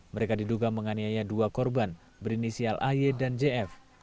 mereka diduga menganiaya dua korban berinisial ay dan jf